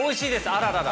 あららら。